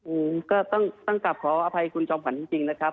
อืมก็ต้องต้องกลับขออภัยคุณจอมขวัญจริงจริงนะครับ